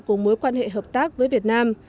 của mối quan hệ hợp tác với việt nam